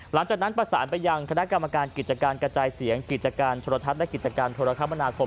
หลังจากนั้นประสานไปยังคณะกรรมการกิจการกระจายเสียงกิจการโทรทัศน์และกิจการโทรคมนาคม